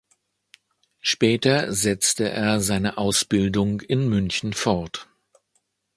Später setzte er seine Ausbildung in München fort.